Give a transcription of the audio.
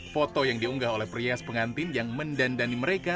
foto yang diunggah oleh prias pengantin yang mendandani mereka